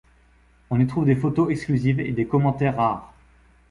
On y trouve des photos exclusives et des commentaires rares.